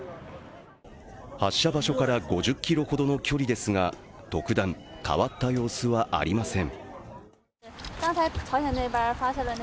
発射場所から５０ｋｍほどの距離ですが特段、変わった様子はありません。